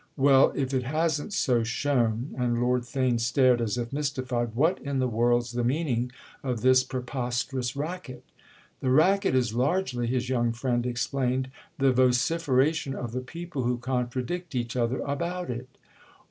"Well, if it hasn't so shown"—and Lord Theign stared as if mystified—"what in the world's the meaning of this preposterous racket?" "The racket is largely," his young friend explained, "the vociferation of the people who contradict each other about it."